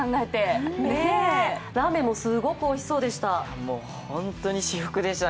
ラーメンもすごくおいしそうでした。